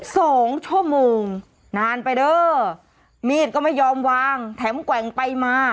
สองชั่วโมงนานไปเด้อมีดก็ไม่ยอมวางแถมแกว่งไปมา